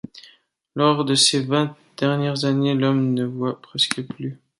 Lors de ses vingt dernières années, l'homme ne voit presque plus.